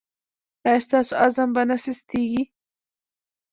ایا ستاسو عزم به نه سستیږي؟